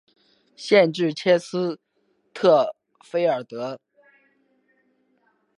县治切斯特菲尔德。